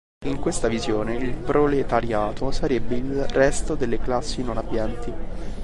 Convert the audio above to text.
In questa visione, il proletariato sarebbe il resto delle classi non abbienti.